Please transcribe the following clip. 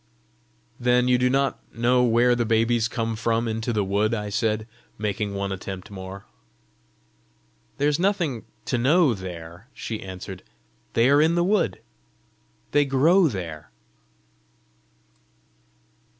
"Then you do not know where the babies come from into the wood?" I said, making one attempt more. "There is nothing to know there," she answered. "They are in the wood; they grow there."